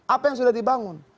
apa yang sudah dibangun